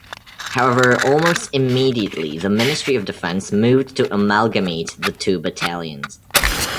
However almost immediately the Ministry of Defence moved to amalgamate the two battalions.